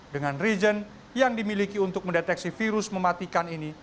dengan region yang dimiliki untuk mendeteksi virus mematikan ini